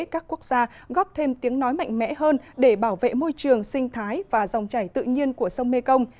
các quốc gia góp thêm tiếng nói mạnh mẽ hơn để bảo vệ môi trường sinh thái và dòng chảy tự nhiên của sông mekong